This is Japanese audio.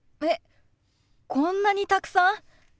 えっこんなにたくさん？